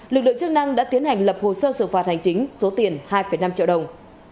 lực lượng chức năng đã tiến hành lập hồ sơ xử phạt hành chính số tiền hai năm triệu đồng